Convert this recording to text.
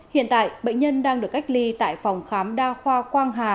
hiện tại bệnh nhân đang được cách ly tại phòng khám đa khoa quang hà